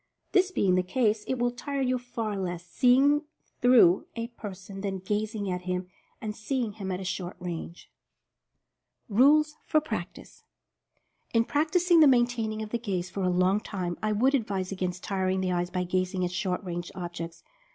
This being the case, it will tire you far less "seeing through" a person, than gazing at him and "seeing" him at short range. The Fascination of the Eye 229 RULES FOR PRACTICE. In practicing the maintaining of the gaze for a long time, I would advise against tiring the eyes by gazing at short range objects.